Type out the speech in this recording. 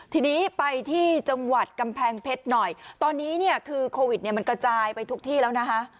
ทีนี้ไปที่จังหวัดกำแพงเพชรหน่อยตอนนี้เนี่ยคือโควิดเนี่ยมันกระจายไปทุกที่แล้วนะคะ